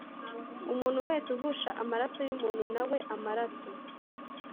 Umuntu wese uvusha amaraso y umuntu na we amaraso